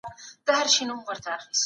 ایا خلګو په ازاده توګه فکر کولای سو؟